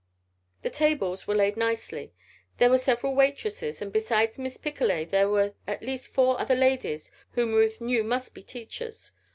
The tables were laid nicely. There were several waitresses, and besides Miss Picolet, there were at least four other ladies whom Ruth knew must be teachers.